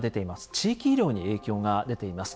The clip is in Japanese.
地域医療に影響が出ています。